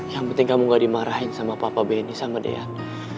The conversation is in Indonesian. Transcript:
yang penting kamu gak dimarahin sama papa benny sama dead